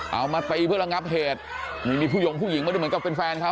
เอามาตีเพื่อระงับเหตุนี่มีผู้ยงผู้หญิงมาด้วยเหมือนกับเป็นแฟนเขา